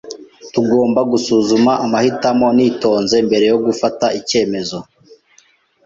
Tugomba gusuzuma amahitamo nitonze mbere yo gufata icyemezo.